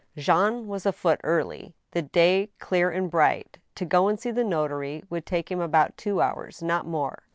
Jean was afoot early. The day dawned clear and bright. To go and see the notary would take him about two hours, not more.